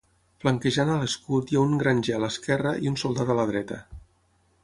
Flanquejant a l'escut hi ha un granger a l'esquerra i un soldat a la dreta.